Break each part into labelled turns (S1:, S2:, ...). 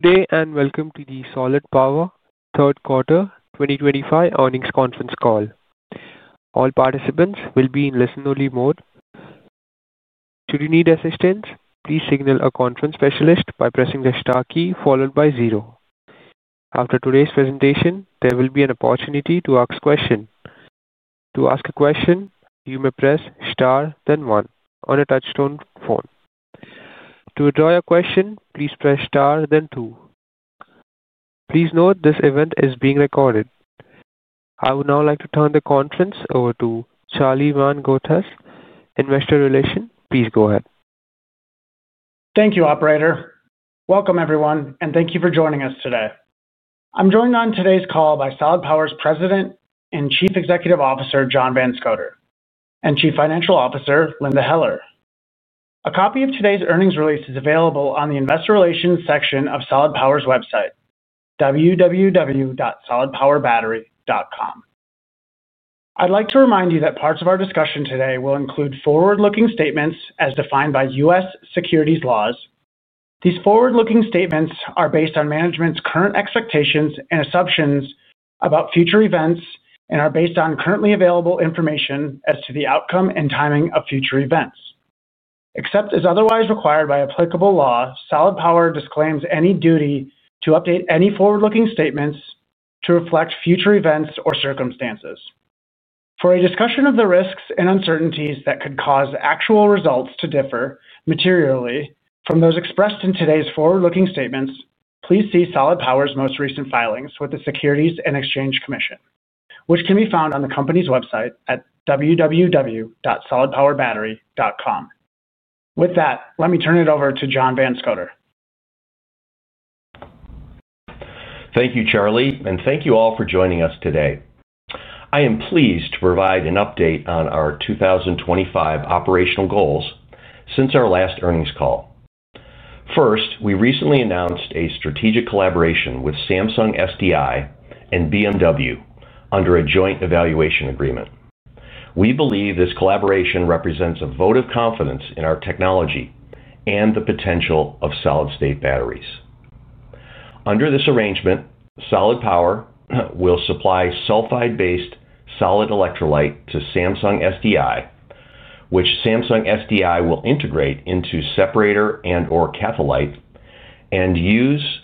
S1: Good day and Welcome to the Solid Power third quarter 2025 earnings conference call. All participants will be in listen-only mode. Should you need assistance, please signal a conference specialist by pressing the star key followed by zero. After today's presentation, there will be an opportunity to ask a question. To ask a question, you may press star then one on a touch-tone phone. To draw your question, please press star then two. Please note this event is being recorded. I would now like to turn the conference over to Charlie Van Goetz, Investor Relations. Please go ahead.
S2: Thank you, Operator. Welcome, everyone, and thank you for joining us today. I'm joined on today's call by Solid Power's President and Chief Executive Officer John Van Scoter and Chief Financial Officer Linda Heller. A copy of today's earnings release is available on the Investor Relations section of Solid Power's website, www.SolidPowerBattery.com. I'd like to remind you that parts of our discussion today will include forward-looking statements as defined by U.S. securities laws. These forward-looking statements are based on management's current expectations and assumptions about future events and are based on currently available information as to the outcome and timing of future events. Except as otherwise required by applicable law, Solid Power disclaims any duty to update any forward-looking statements to reflect future events or circumstances. For a discussion of the risks and uncertainties that could cause actual results to differ materially from those expressed in today's forward-looking statements, please see Solid Power's most recent filings with the Securities and Exchange Commission, which can be found on the company's website at www.SolidPowerBattery.com. With that, let me turn it over to John Van Scoter.
S3: Thank you, Charlie, and thank you all for joining us today. I am pleased to provide an update on our 2025 operational goals since our last earnings call. First, we recently announced a strategic collaboration with Samsung SDI and BMW under a joint evaluation agreement. We believe this collaboration represents a vote of confidence in our technology and the potential of solid-state batteries. Under this arrangement, Solid Power will supply sulfide-based solid electrolyte to Samsung SDI, which Samsung SDI will integrate into separator and/or catholyte and use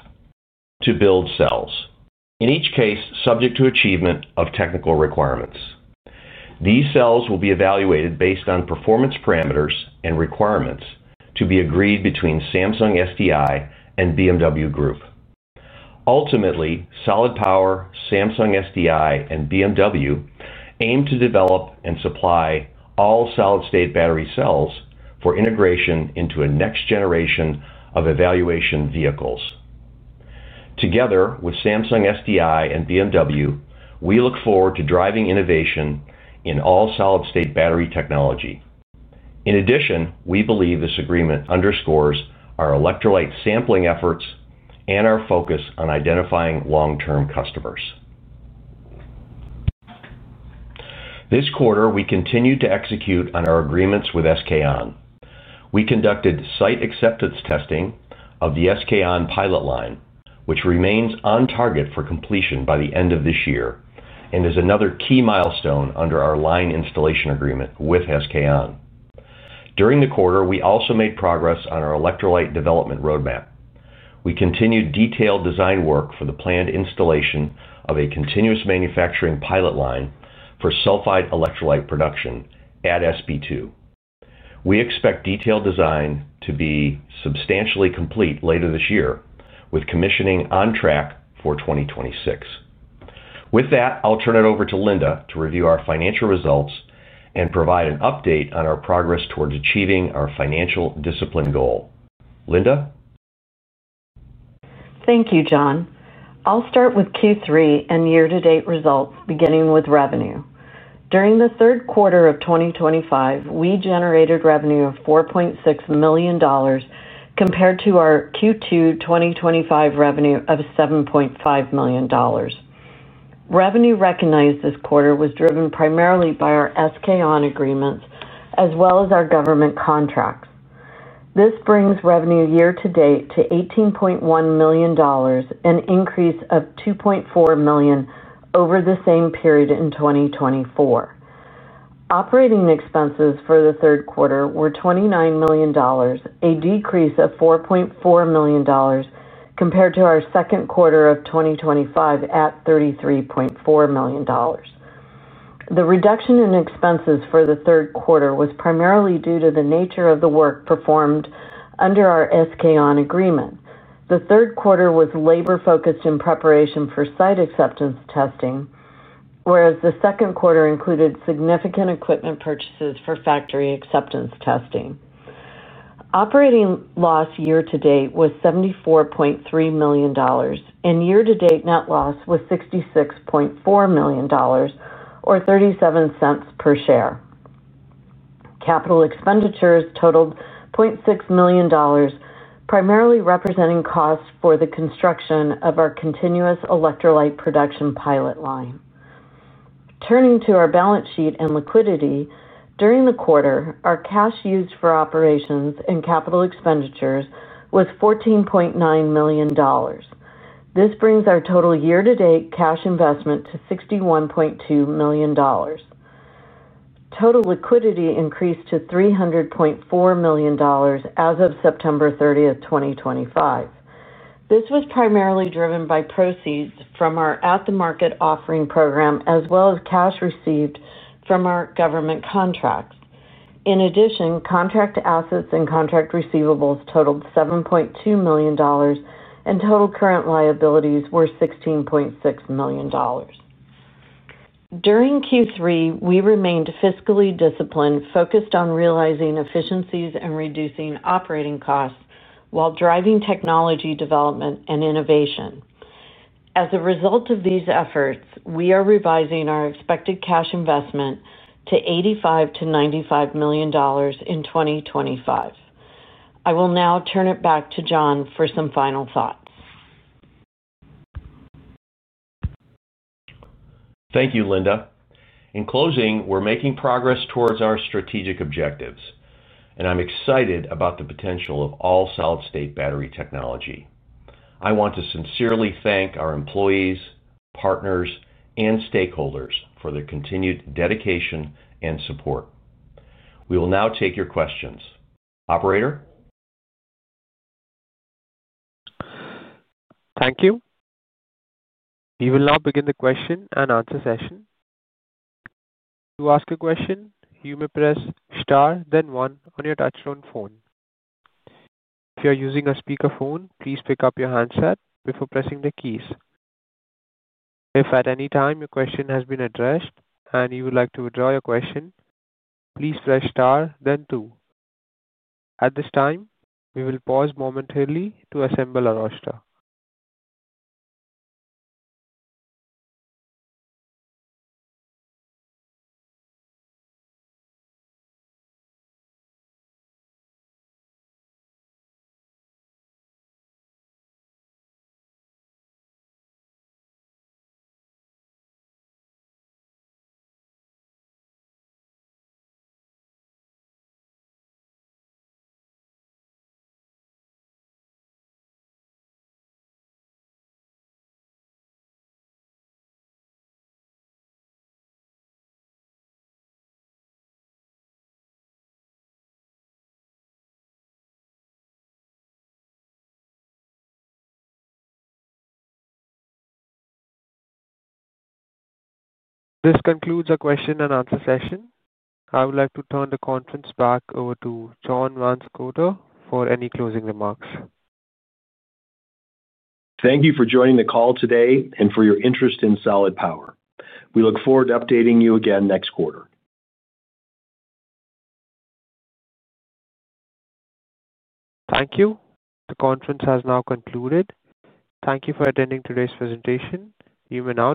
S3: to build cells, in each case subject to achievement of technical requirements. These cells will be evaluated based on performance parameters and requirements to be agreed between Samsung SDI and BMW Group. Ultimately, Solid Power, Samsung SDI, and BMW aim to develop and supply all solid-state battery cells for integration into a next generation of evaluation vehicles. Together with Samsung SDI and BMW, we look forward to driving innovation in all solid-state battery technology. In addition, we believe this agreement underscores our electrolyte sampling efforts and our focus on identifying long-term customers. This quarter, we continue to execute on our agreements SK On. we conducted site acceptance testing of SK On pilot line, which remains on target for completion by the end of this year and is another key milestone under our line installation agreement SK On. during the quarter, we also made progress on our electrolyte development roadmap. We continued detailed design work for the planned installation of a continuous manufacturing pilot line for sulfide electrolyte production at SP2. We expect detailed design to be substantially complete later this year, with commissioning on track for 2026. With that, I'll turn it over to Linda to review our financial results and provide an update on our progress towards achieving our financial discipline goal. Linda.
S4: Thank you, John. I'll start with Q3 and year-to-date results, beginning with revenue. During the third quarter of 2025, we generated revenue of $4.6 million compared to our Q2 2025 revenue of $7.5 million. Revenue recognized this quarter was driven primarily by SK On agreements as well as our government contracts. This brings revenue year-to-date to $18.1 million and an increase of $2.4 million over the same period in 2024. Operating expenses for the third quarter were $29 million, a decrease of $4.4 million compared to our second quarter of 2025 at $33.4 million. The reduction in expenses for the third quarter was primarily due to the nature of the work performed under SK On agreement. The third quarter was labor-focused in preparation for site acceptance testing, whereas the second quarter included significant equipment purchases for factory acceptance testing. Operating loss year-to-date was $74.3 million, and year-to-date net loss was $66.4 million or $0.37 per share. Capital expenditures totaled $0.6 million, primarily representing costs for the construction of our continuous electrolyte production pilot line. Turning to our balance sheet and liquidity during the quarter, our cash used for operations and capital expenditures was $14.9 million. This brings our total year-to-date cash investment to $61.2 million. Total liquidity increased to $300.4 million as of September 30th, 2025. This was primarily driven by proceeds from our at-the-market offering program as well as cash received from our government contracts. In addition, contract assets and contract receivables totaled $7.2 million, and total current liabilities were $16.6 million. During Q3, we remained fiscally disciplined, focused on realizing efficiencies and reducing operating costs while driving technology development and innovation. As a result of these efforts, we are revising our expected cash investment to $85 million-$95 million in 2025. I will now turn it back to John for some final thoughts.
S3: Thank you, Linda. In closing, we're making progress towards our strategic objectives, and I'm excited about the potential of all solid-state battery technology. I want to sincerely thank our employees, partners, and stakeholders for their continued dedication and support. We will now take your questions. Operator.
S1: Thank you. We will now begin the question and answer session. To ask a question, you may press star then one on your touch-tone phone. If you are using a speakerphone, please pick up your handset before pressing the keys. If at any time your question has been addressed and you would like to withdraw your question, please press star then two. At this time, we will pause momentarily to assemble our roster. This concludes our question and answer session. I would like to turn the conference back over to John Van Scoter for any closing remarks.
S3: Thank you for joining the call today and for your interest in Solid Power. We look forward to updating you again next quarter.
S1: Thank you. The conference has now concluded. Thank you for attending today's presentation. You may now.